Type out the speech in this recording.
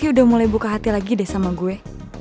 udah mulai buka hati lagi deh sama gue